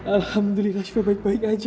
alhamdulillah supaya baik baik aja